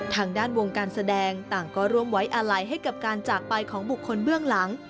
ทางด้านวงการแสดงต่างก็ร่วมไว้อาลัยให้กับการจากไปของบุคคลเบื้องหลัง